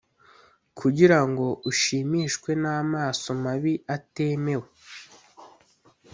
kugirango ushimishwe n'amaso mabi atemewe.